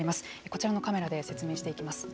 こちらのカメラで説明していきます。